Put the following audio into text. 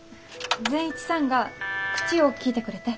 善一さんが口を利いてくれて。